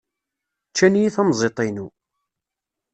Ččan-iyi tamẓidt-inu.